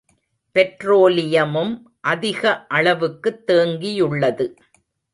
பெட்ரோலியமும் அதிக அளவுக்குத் தேங்கியுள்ளது.